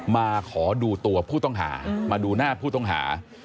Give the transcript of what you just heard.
มาขอดูตัวผู้ต้องหามาดูหน้าผู้ต้องหา